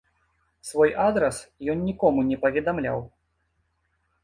Свой адрас ён нікому не паведамляў.